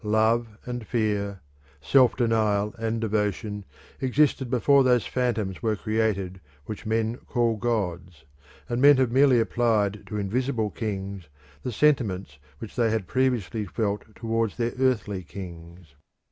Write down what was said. Love and fear, self denial and devotion, existed before those phantoms were created which men call gods, and men have merely applied to invisible kings the sentiments which they had previously felt towards their earthly kings.